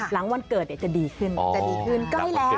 หลังวันเกิดจะดีขึ้นจะดีขึ้นใกล้แล้ว